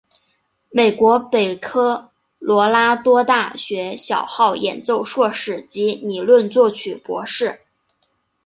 美国北科罗拉多大学小号演奏硕士及理论作曲博士。